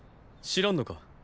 知らんのか？